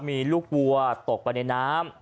มีลูกวัวตกไปในน้ำ